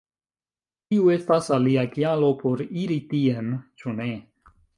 Tiu estas alia kialo por iri tien, ĉu ne?